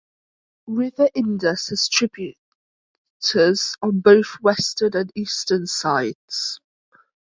River Indus has tributaries on both western and eastern side.